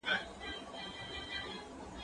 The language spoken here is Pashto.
زه بايد خواړه ورکړم؟!